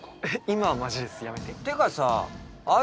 今はマジレスやめてってかさあ